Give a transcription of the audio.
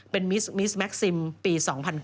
เป็นมิสแก๊กซิมปี๒๐๐๙